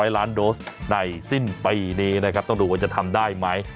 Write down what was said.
๐ล้านโดสในสิ้นปีนี้นะครับต้องดูว่าจะทำได้ไหม